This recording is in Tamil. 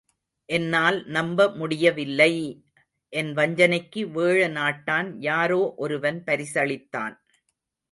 என்னால் நம்ப முடியவில்லை!... என் வஞ்சனைக்கு வேழ நாட்டான் யாரோ ஒருவன் பரிசளித்தான்.